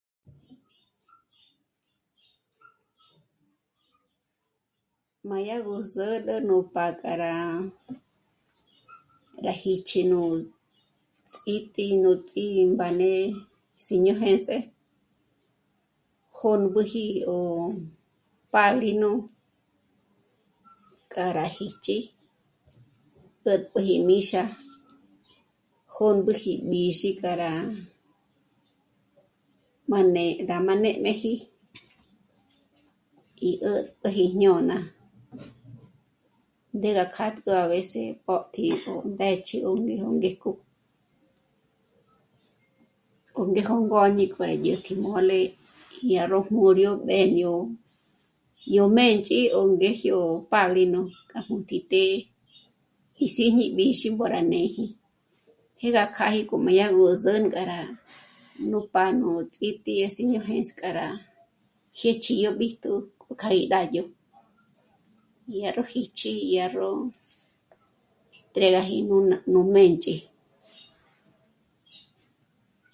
M'a dyá gó sǚrü nú pá'a k'a rá jích'i nú ts'íti nú ts'ímbáne sîño j'és'e jômbüji 'ó pádrino k'a rá jích'i 'ä̀tp'äji míxa jômbüji b'ízhi kja rá... rá má nê'meji y 'ä̀tp'äji jñôna ndé gá kját'k'u a veces p'ö̀tji gó mbé'ch'i 'é gó ngéjko... o ngéjko mbôñi kjo dyä̀tjä mole dya ró mbǘryo mbéño yó m'ênch'i ó ngéjyo pádrino k'a ngúnti té'e í sîñi b'ízhi mbôra né'e. Jé gá kjâjí jo'o m'a dyá gó zǘngá rá nú pá' nú ts'íti é siño j'ése k'a rá jích'i yó b'íjtu kja 'í rá dyò'o, dyà ró jích'i, dyà ró entrégaji nújná nú mbênch'i